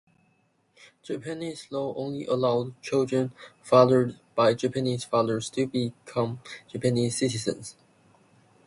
Japanese law only allowed children fathered by Japanese fathers to become Japanese citizens.